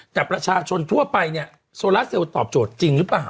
แต่ประชาชนทั่วไปเนี่ยโซลาเซลตอบโจทย์จริงหรือเปล่า